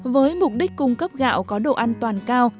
với mục đích cung cấp gạo có độ an toàn cao